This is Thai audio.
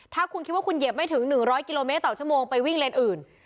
ถ้าคุณคิดว่าคุณเหยียบไม่ถึง๑๐๐กิโลเมตรต่อชั่วโมงไปวิ่งเลนอื่น